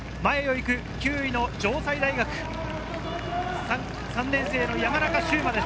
９位・城西大学、３年生の山中秀真です。